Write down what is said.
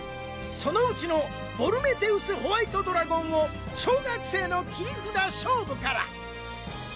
そのうちのボルメテウス・ホワイト・ドラゴンを小学生の切札勝舞から。